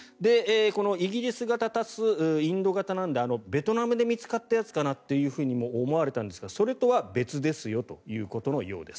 このイギリス型足すインド型なのでベトナムで見つかったやつかなと思われたんですがそれとは別ですよということのようです。